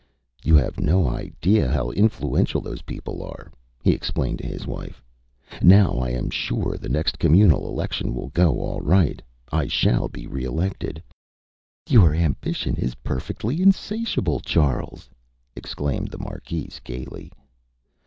ÂYou have no idea how influential those people are,Â he explained to his wife. ÂNow, I am sure, the next communal election will go all right. I shall be re elected.Â ÂYour ambition is perfectly insatiable, Charles,Â exclaimed the marquise, gaily.